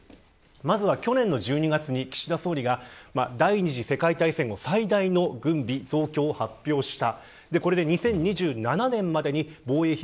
まずは去年の１２月に岸田総理が第２次世界大戦後最大の軍備増強を発表した。